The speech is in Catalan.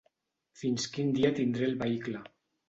Fins quin dia tindré el vehicle.